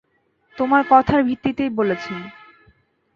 তোমার কথার ভিত্তিতেই বলেছি।